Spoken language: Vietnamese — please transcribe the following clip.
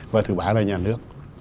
và thứ ba là nhà nước